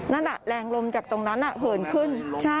นั่นแรงลมจากตรงนั้นเหินขึ้น